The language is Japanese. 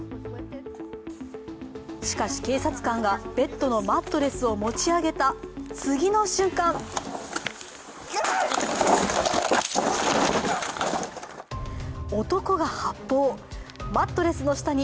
しかし、警察官がベッドのマットレスを持ち上げた次の瞬間男が発砲マットレスの下に